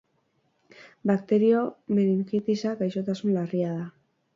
Bakterio-meningitisa gaixotasun larria da.